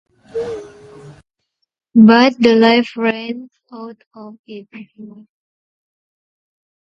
But the life ran out of it.